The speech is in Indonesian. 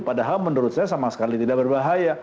padahal menurut saya sama sekali tidak berbahaya